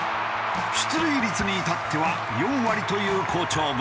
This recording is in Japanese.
出塁率に至っては４割という好調ぶりだ。